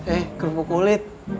eh kerupuk kulit